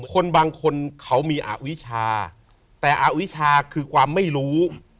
คนบางคนเขามีอวิชาแต่อวิชาคือความไม่รู้